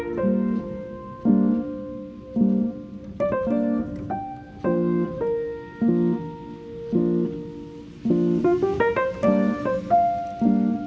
pak bisa lebih cepat nggak pak